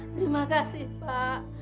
terima kasih pak